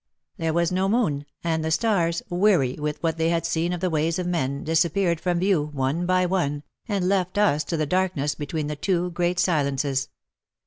There was no moon, and the stars, weary with what they had seen of the ways of men, dis appeared from view one by one, and left us to the darkness between the two g^reat Silences."